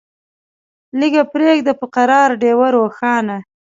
لیږه پریږده په قرار ډېوه روښانه